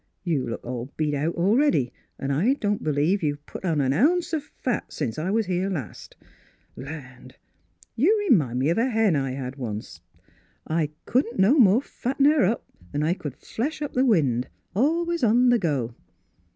You look all beat out a'ready, an' I don't be lieve you've put on an ounce o' fat sence I was here last. Land! You remind me of a hen I had once; I couldn't no more Miss Fhilura's Wedding Gown fatten her 'n I c'd flesh up the wind. Al ways on the go.